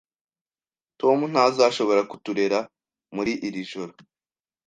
Tom ntazashobora kuturera muri iri joro